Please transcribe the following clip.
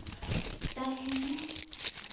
大変ね。